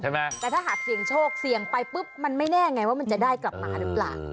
แต่ถ้าหากเสี่ยงโชคเสี่ยงไปปุ๊บมันไม่แน่ไงว่ามันจะได้กลับมาหรือเปล่า